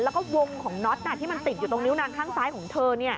แล้วก็วงของน็อตที่มันติดอยู่ตรงนิ้วนางข้างซ้ายของเธอ